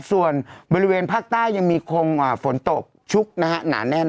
ส่วนบริเวณภาคใต้ยังมีคมฝนตกชุกนะฮะหนาแน่น